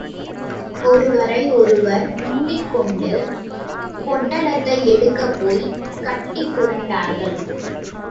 ஒருவரை ஒருவர் முந்திக் கொண்டு, பொட்டலத்தை எடுக்கப் போய் கட்டிப் புரண்டார்கள்.